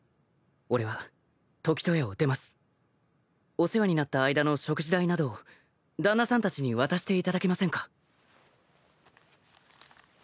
お世話になった間の食事代などを旦那さんたちに渡していただけませんか？